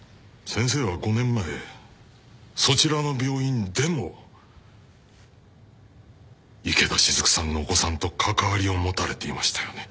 先生は５年前そちらの病院でも池田しずくさんのお子さんと関わりを持たれていましたよね？